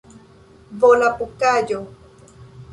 volapukaĵo